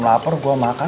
laper gue makan